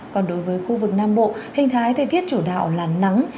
còn đối với khu vực nam bộ hình thái thời tiết chủ đạo là nắng